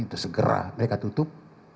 untuk segera mereka tutup